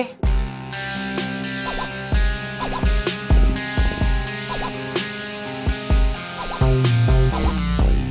kenapa dari awal lo bantuin gue